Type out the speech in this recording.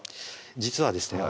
実はですね